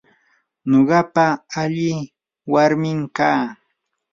nuqaqa alli warmim kaa.